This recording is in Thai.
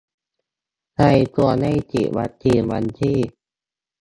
ใครควรได้ฉีดวันที่